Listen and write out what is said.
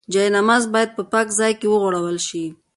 جاینماز باید په پاک ځای کې وغوړول شي.